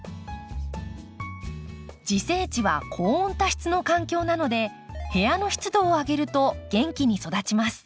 自生地は高温多湿の環境なので部屋の湿度を上げると元気に育ちます。